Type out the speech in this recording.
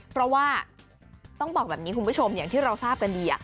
เพราะว่าต้องบอกแบบนี้คุณผู้ชมอย่างที่เราทราบกันดี